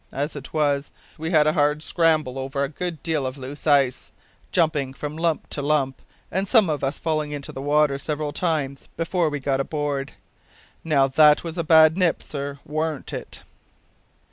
As it was, we had a hard scramble over a good deal of loose ice, jumpin' from lump to lump, and some of us fallin' into the water several times, before we got aboard. Now that was a bad nip, sir, warn't it?"